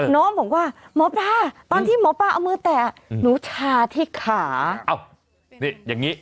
น้องบอกว่าหมอปลาตอนที่หมอปลาเอามือแตะหนูชาที่ขานี่อย่างนี้